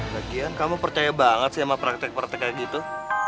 bagian kamu percaya banget sama praktek praktek kayak gitu